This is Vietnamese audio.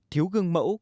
thiếu gương mẫu